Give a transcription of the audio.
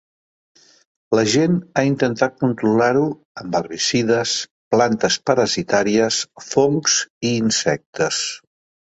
La gent ha intentat controlar-ho amb herbicides, plantes parasitàries, fongs i insectes.